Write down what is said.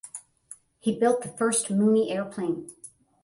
He built the first Mooney airplane.